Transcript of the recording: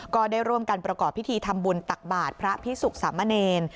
ก็ได้ร่วมกันประกอบพิธีทำบุญตักบาทพระพิสุขสามเณร